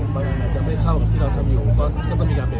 บางอันอาจจะไม่เข้ากับที่เราทำอยู่ก็ต้องมีการเปลี่ยนกันใหม่